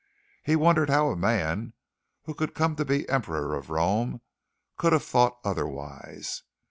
He wondered how a man who could come to be Emperor of Rome could have thought otherwise.